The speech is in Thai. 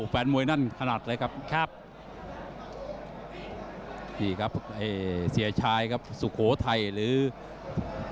แต่ว่าเกมของคู่นี้ก่อน